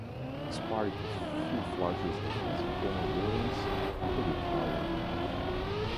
Despite a few flashes of his former brilliance, he retired.